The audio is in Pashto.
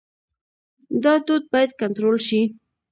دا دود باید کنټرول شي.